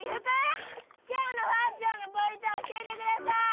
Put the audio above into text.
今日のファッションのポイント教えてください！